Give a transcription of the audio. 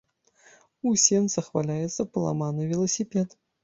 У сенцах валяецца паламаны веласіпед.